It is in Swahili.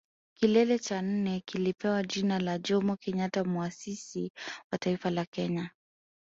Kilele cha nne kilipewa jina la Jomo Kenyatta Muasisi wa Taifa la Kenya